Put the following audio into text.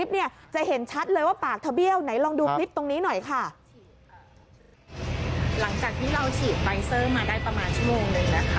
มันตามมาได้ประมาณชั่วโมงนึง